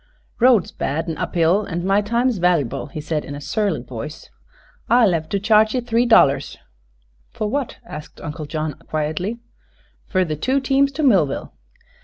"Road's bad an' up hill, an' my time's vallyble," he said in a surly voice. "I'll hev to charge ye three dollars." "For what?" asked Uncle John, quietly. "Fer the two teams to Millville."